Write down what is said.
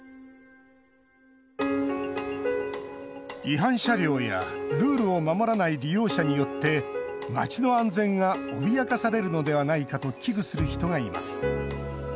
違反車両やルールを守らない利用者によって街の安全が脅かされるのではないかと危惧する人がいます。